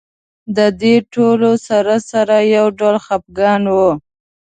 د دې ټولو سره سره یو ډول خپګان و.